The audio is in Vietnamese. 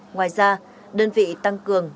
ngoài ra đơn vị tăng cường